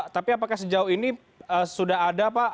tapi apakah sejauh ini sudah ada pak